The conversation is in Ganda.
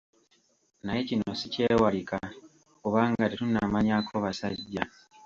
Naye kino sikyewalika kubanga tetunnamanyaako basajja.